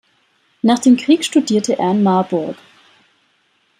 Nach dem Krieg studierte er in Marburg.